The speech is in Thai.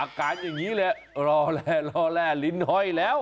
อย่างนี้แหละรอแร่รอแร่ลิ้นห้อยแล้ว